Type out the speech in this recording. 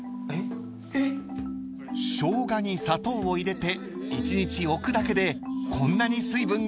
［ショウガに砂糖を入れて一日置くだけでこんなに水分が出るんです］